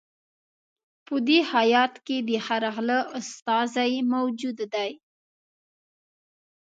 په دې هیات کې د هر غله استازی موجود دی.